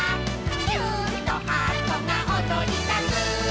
「キューンとハートがおどりだす」